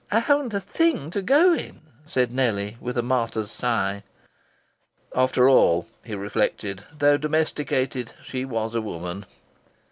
"I haven't a thing to go in!" said Nellie, with a martyr's sigh. After all (he reflected), though domesticated, she was a woman.